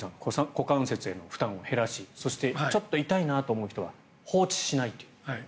股関節への負担を減らしそしてちょっと痛いなという人は放置しないという。